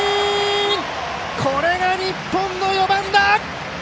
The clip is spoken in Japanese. これが日本の４番だ！